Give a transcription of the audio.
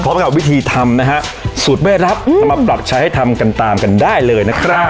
กับวิธีทำนะฮะสูตรไม่รับนำมาปรับใช้ให้ทำกันตามกันได้เลยนะครับ